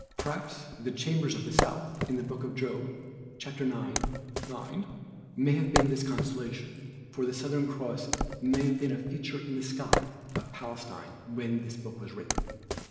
Perhaps "the chambers of the South'" in the Book of Job (ix, 9) may be this constellation, for the Southern Cross must have been a feature in the sky of Palestine when this book was written.